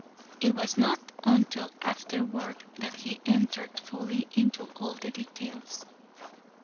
It was not until afterward that he entered fully into all the details.